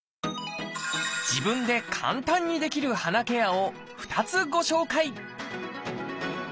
自分で簡単にできる鼻ケアを２つご紹介